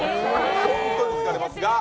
本当に疲れますが。